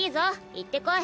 行ってこい。